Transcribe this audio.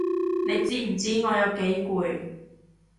你知唔知我有幾攰？